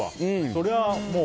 そりゃあ、もう。